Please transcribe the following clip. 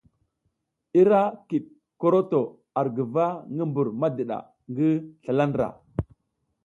I ra kiɗ koroto ar guva ngi mbur madiɗa ngi slala ndra.